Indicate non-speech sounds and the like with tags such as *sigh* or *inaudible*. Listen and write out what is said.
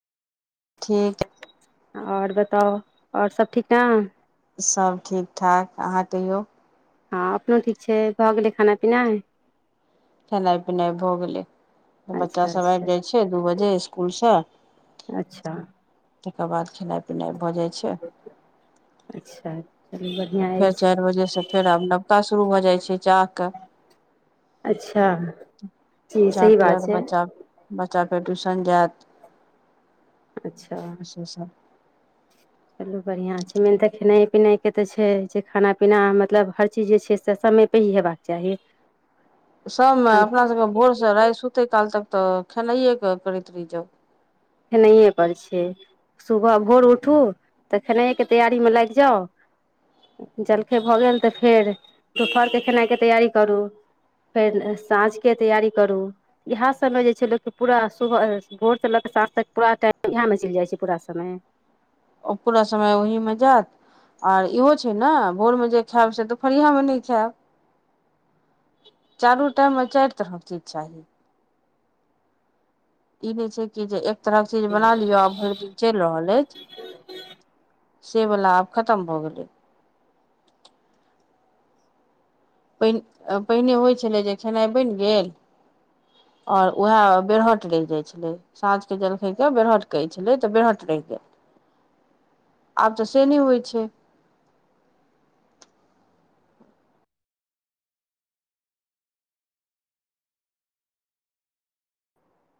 ठीक और बताउ और सब ठीक न सब ठीक ठाक अहाँ कहियौ हँ अपनो ठीक छै भऽ गेलै खनाइ पीनाई खेनाइ पिनाइ भ गेलै बच्चा अच्छा सब आइब अच्छा जाइ छै दू बजे स्कूलसँ अच्छह ओकर बाद खेनाइ भऽ जाइ छै अच्छह फेर चाइर बजेसँ फेर आब नवका शुरू भऽ जाइ छै चाहके अच्छा जी बच्चा सही बात पियअत छै बच्चा बच्चा फेर ट्यूशन जाइत अच्छा से सब चलू बढ़िआँ छै मेन तऽ खेनाइ पिनाइ के तऽ छै जे खाना पीना मतलब हर चीज जे छै से सब सम पहि हे बखच्य ह *unintelligible* सबमे अपना सबके भोर से राइत सुतै काल तक तऽ खेनाइए के करैत रहि जाउ खेनाइएपर छै सुबह भोर उठू तऽ खेनाइएके तैयारीमे लाइग जाउ जलखो भऽ गेल तऽ फेर दुपहरके खेनाइके तैयारी करू फेर साँझके तैयारी करू इएह सबमें जे छै लोक पूरा सुबह भोरसँ लऽ कऽ साँझ तक पुरा टाइम इएह मे चैल जाइ छै पूरा समय ओ पूरा समय ओहिमे जात आर इहो छै ने भोरमे जे खायब से दुपहरिआमे नहि खायब चारू टाइममे चाइर तरहक चीज चाही ई नहि छै कि जे एक तरहक चीज बना लियअ आ भैर दिन चैल रहल अछि सेबला आब खतम भ गेलै पहि पहिने होइ छलै जे खेनाइ बैन गेल और उएह बेरहट रहि जाइ छलै साँझके जलखाय कऽ बेरहट कहै छलै तऽ बेरहट रहि गेल आब तऽ सेनी होइ छै